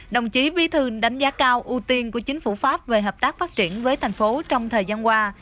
đồng chí bí thư đánh giá cao ưu tiên của chính phủ pháp về hợp tác phát triển với thành phố trong thời gian qua